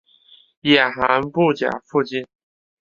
野寒布岬附近。